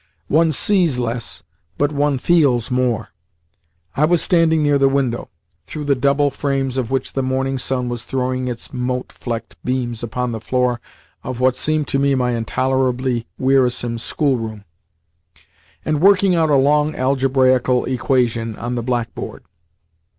One sees less, but one feels more. I was standing near the window through the double frames of which the morning sun was throwing its mote flecked beams upon the floor of what seemed to me my intolerably wearisome schoolroom and working out a long algebraical equation on the blackboard.